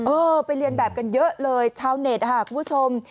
เออไปเรียนแบบกันเยอะเลยชาวเน็ตค่ะคุณผู้ชม